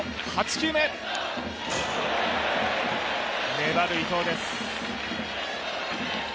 粘る伊藤です。